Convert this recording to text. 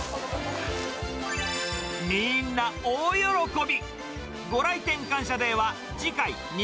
みーんな大喜び。